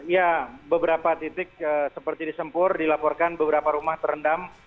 ya beberapa titik seperti di sempur dilaporkan beberapa rumah terendam